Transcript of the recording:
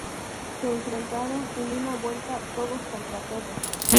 Se enfrentaron en una vuelta todos contra todos.